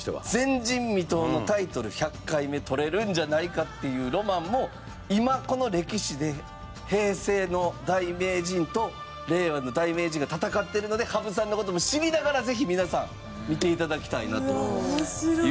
前人未踏のタイトル１００回目とれるんじゃないかっていうロマンも今この歴史で平成の大名人と令和の大名人が戦ってるので羽生さんの事も知りながらぜひ皆さん見て頂きたいなという事でございます。